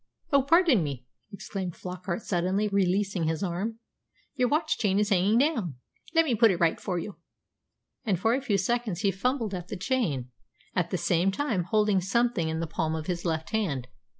"Oh, pardon me!" exclaimed Flockart suddenly, releasing his arm. "Your watch chain is hanging down. Let me put it right for you." And for a few seconds he fumbled at the chain, at the same time holding something in the palm of his left hand.